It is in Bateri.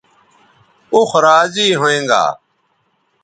اوخ راضی ھوینگا